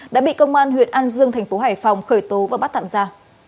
đã bị công an huyện an dương thành phố hải phòng khởi tố và bắt thạm ra